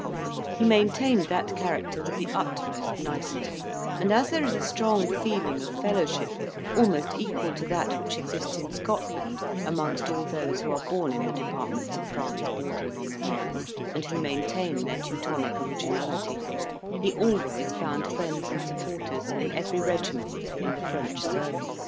He maintained that character with the utmost nicety; and as there is a strong feeling of fellowship, almost equal to that which exists in Scotland, amongst all those who are born in the departments of France bordering on the Rhine, and who maintain their Teutonic originality, he always found friends and supporters in every regiment in the French service.